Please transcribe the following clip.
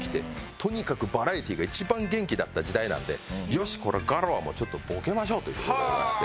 とにかくバラエティーが一番元気だった時代なので「よしこれガロアもちょっとボケましょう」という事になりまして。